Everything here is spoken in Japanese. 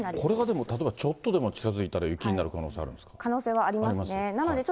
これがちょっとでも近づいたら雪になる可能性あるんですか。